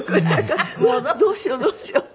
どうしようどうしよう。